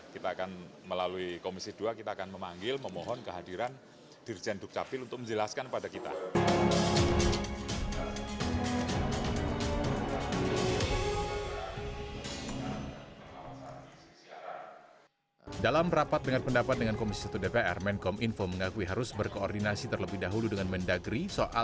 kita akan melalui komisi dua kita akan memanggil memohon kehadiran dirjen duk capil untuk menjelaskan kepada kita